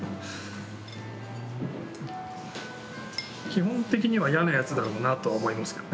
基本的には嫌なやつだろうなとは思いますけどね